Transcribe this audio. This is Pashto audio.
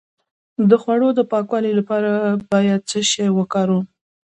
د خوړو د پاکوالي لپاره باید څه شی وکاروم؟